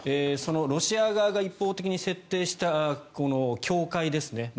そのロシア側が一方的に設定したこの境界ですね。